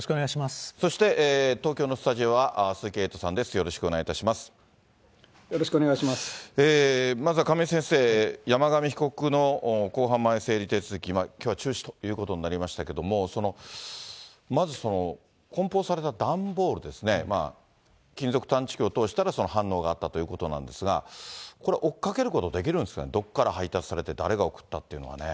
そして、東京のスタジオは鈴まずは亀井先生、山上被告の公判前整理手続き、きょうは中止ということになりましたけれども、まずこん包された段ボールですね、金属探知機を通したらその反応があったということなんですが、これ、追っかけること、できるんですかね、どこから配達されて、誰が送ったっていうのはね。